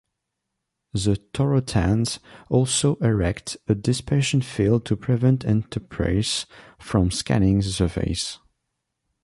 The Torothans also erect a dispersion field to prevent "Enterprise" from scanning the surface.